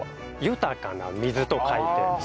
「豊かな水」と書いて豊水。